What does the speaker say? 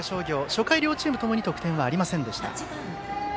初回、両チームともに得点はありませんでした。